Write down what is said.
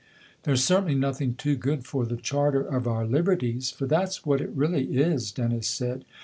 "There's certainly nothing too good for the charter of our liberties for that's what it really is," Dennis said.